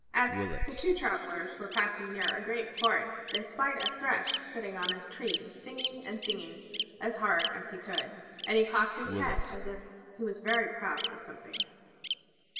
As the two travelers were passing near a great forest they spied a Thrush sitting on a tree singing and singing as hard as he could. And he cocked his head as if he was very proud of something.